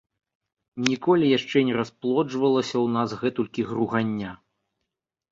Ніколі яшчэ не расплоджвалася ў нас гэтулькі гругання.